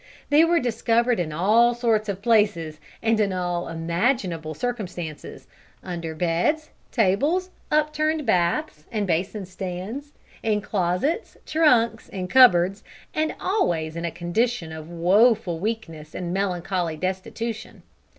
They were discovered in all sorts of places, and in all imaginable circumstances under beds, tables, upturned baths, and basin stands; in closets, trunks, and cupboards, and always in a condition of woeful weakness and melancholy destitution.